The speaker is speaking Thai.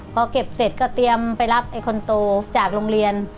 พอเก็บเสร็จก็เตรียมไปรับไอ้คนโตจากโรงเรียน